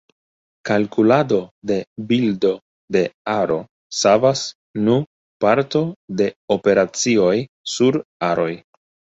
Kalkulado de bildo de aro savas nu parto de operacioj sur aroj.